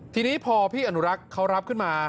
ทีนี้พอพี่อนุรักษ์เขารับขึ้นมา